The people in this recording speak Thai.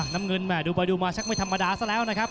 น้ำเงินแม่ดูไปดูมาชักไม่ธรรมดาซะแล้วนะครับ